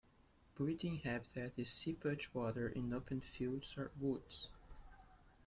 Breeding habitat is seepage water in open fields or woods.